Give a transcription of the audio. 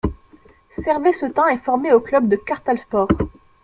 Servet Çetin est formé au club de Kartalspor.